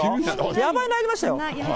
やばいの入りましたよ。